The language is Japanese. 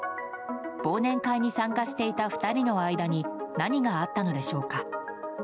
忘年会に参加していた２人の間に何があったのでしょうか。